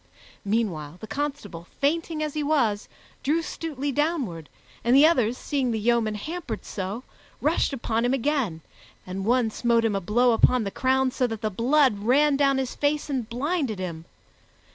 Meanwhile, the constable, fainting as he was, drew Stutely downward, and the others, seeing the yeoman hampered so, rushed upon him again, and one smote him a blow upon the crown so that the blood ran down his face and blinded him.